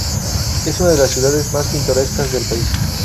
Es una de las ciudades más "pintorescas" del país.